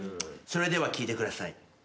それでは聴いてください。